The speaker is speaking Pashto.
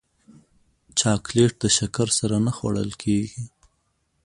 چاکلېټ د شکر سره نه خوړل کېږي.